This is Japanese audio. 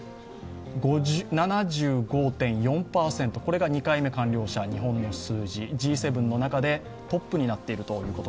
７５．４％、これが２回目完了者、日本の数字Ｇ７の中でトップになっているということ。